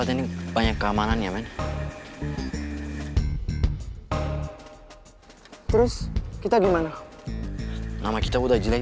okey kami bersihkan itu tadi